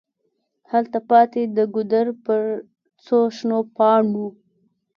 هلته پاتي د ګودر پر څوشنو پاڼو